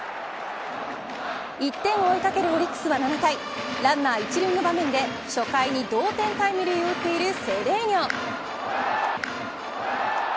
１点を追い掛けるオリックスは７回ランナー１塁の場面で初回に同点タイムリーを打っているセデーニョ。